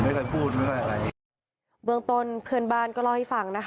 ไม่ค่อยพูดไม่ค่อยอะไร